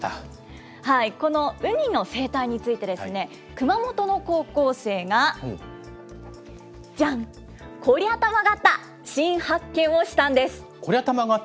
このウニの生態について、熊本の高校生が、じゃん、こりゃたまがった新発見をしたんです。